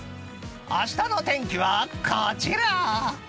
明日の天気はこちら！